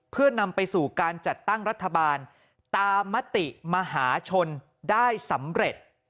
เพื่อนำไปสู่การจัดตั้งรัฐบาลตามมติมหาชนได้สำเร็จ